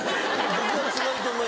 僕は違うと思います。